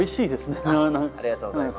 ありがとうございます。